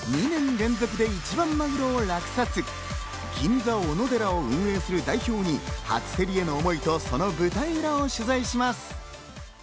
２年連続で一番マグロを落札、銀座おのでらを運営する代表に初競りへの思いと、その舞台裏を取材します。